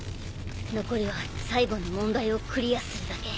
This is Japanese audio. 残りは最後の問題をクリアするだけ。